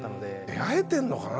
出会えてんのかな？